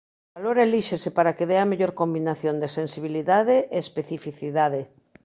O valor elíxese para que dea a mellor combinación de sensibilidade e especificidade.